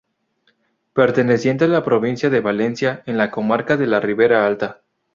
Perteneciente a la provincia de Valencia, en la comarca de la Ribera Alta.